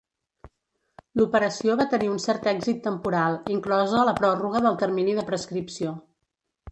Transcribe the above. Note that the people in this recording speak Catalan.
L'operació va tenir un cert èxit temporal, inclosa la pròrroga del termini de prescripció.